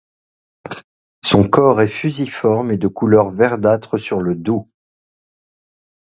Son corps est fusiforme et de couleur verdâtre sur le dos.